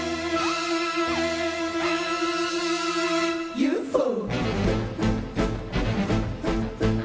ＵＦＯ！